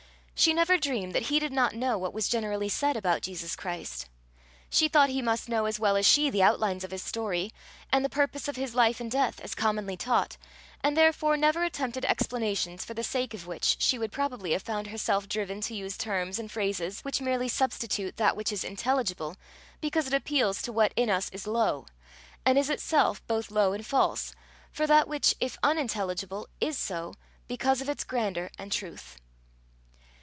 She never dreamed that he did not know what was generally said about Jesus Christ. She thought he must know as well as she the outlines of his story, and the purpose of his life and death, as commonly taught, and therefore never attempted explanations for the sake of which she would probably have found herself driven to use terms and phrases which merely substitute that which is intelligible because it appeals to what in us is low, and is itself both low and false, for that which, if unintelligible, is so because of its grandeur and truth.